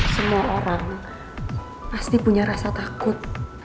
semua orang pasti punya rasa takut